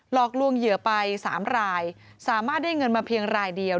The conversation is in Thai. อกลวงเหยื่อไป๓รายสามารถได้เงินมาเพียงรายเดียว